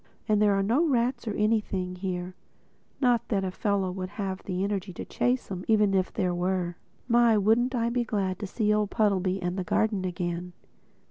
And there are no rats or anything here—not that a fellow would have the energy to chase 'em even if there were. My, wouldn't I be glad to see old Puddleby and the garden again!